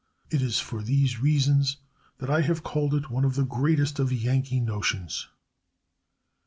It is for these reasons that I have called it one of the greatest of Yankee notions.